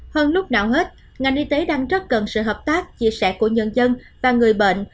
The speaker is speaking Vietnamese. hơn lúc nào hết ngành y tế đang rất cần sự hợp tác chia sẻ của nhân dân và người bệnh